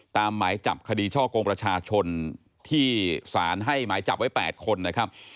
หมายจับคดีช่อกงประชาชนที่สารให้หมายจับไว้๘คนนะครับ